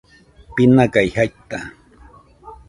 binagai jaita